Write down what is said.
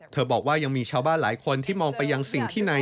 บอกว่ายังมีชาวบ้านหลายคนที่มองไปยังสิ่งที่ใน